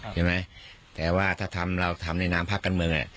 ใช่ไหมแต่ว่าถ้าทำเราทำในนามพักกันเมืองเนี่ย